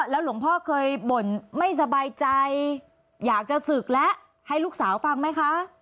หลวงพ่อเคยบ่นไม่สบายใจอยากจะศึกแล้วให้ลูกสาวฟังไหมคะ